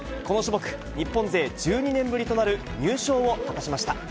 この種目、日本勢１２年ぶりとなる入賞を果たしました。